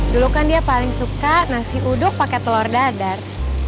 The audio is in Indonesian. dulu kan dia paling suka nasi uduk pakai telur dadar